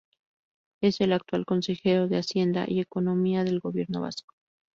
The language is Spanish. Es el actual consejero de Hacienda y Economía del Gobierno Vasco.